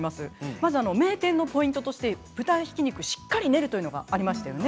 まず名店のポイントとして豚ひき肉をしっかり練るというのがありましたよね。